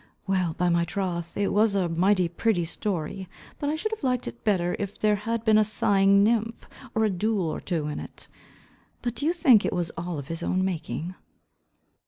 Well, by my troth, it was a mighty pretty story. But I should have liked it better, if there had been a sighing nymph, or a duel or two in it. But do you think it was all of his own making?"